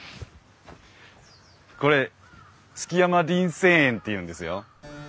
これ築山林泉園っていうんですよ。